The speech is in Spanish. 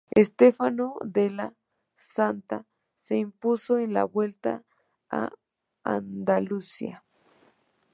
Stefano Della Santa se impuso en la Vuelta a Andalucía.